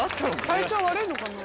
体調悪いのかな？